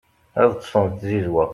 ad ṭṭsen d tzizwa